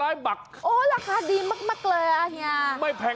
โอ้ยราคาดีมากเหรอ